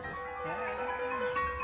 へえ。